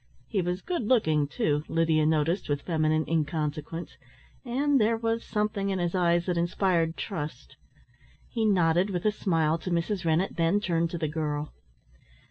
He was good looking too, Lydia noticed with feminine inconsequence, and there was something in his eyes that inspired trust. He nodded with a smile to Mrs. Rennett, then turned to the girl.